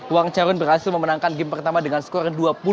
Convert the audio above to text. wang charun berhasil memenangkan game pertama dengan skor dua puluh dua